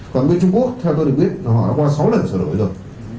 còn bộ y tế trung quốc theo tôi được biết họ đã qua sáu lần sửa đổi rồi